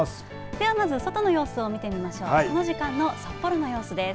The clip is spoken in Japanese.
まず外の様子を見てみましょうこの時間の札幌の様子です。